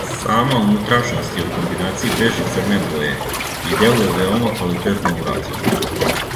Сама унутрашњост је у комбинацији беж и црне боје, и делује веома квалитетно урађено.